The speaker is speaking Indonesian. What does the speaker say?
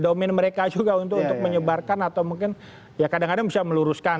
domain mereka juga untuk menyebarkan atau mungkin ya kadang kadang bisa meluruskan